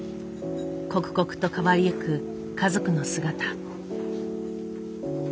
刻々と変わりゆく家族の姿。